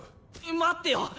待ってよ！